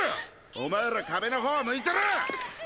お前ら壁のほう向いてろ！